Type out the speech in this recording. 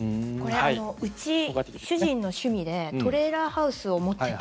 うち、趣味でトレーラーハウスを持っていて。